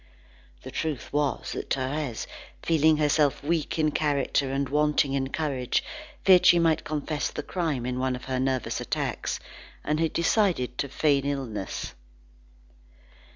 The truth was that Thérèse, feeling herself weak in character and wanting in courage, feared she might confess the crime in one of her nervous attacks, and had decided to feign illness.